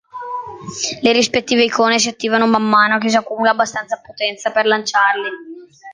Le rispettive icone si attivano man mano che si accumula abbastanza potenza per lanciarli.